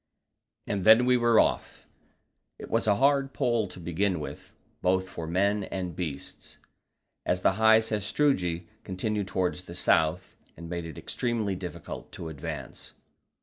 And then we were off: It was a hard pull to begin with, both for men and beasts, as the high sastrugi continued towards the south, and made it extremely difficult to advance.